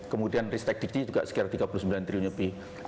kemudian ristek dikti juga sekitar tiga puluh sembilan triliun lebih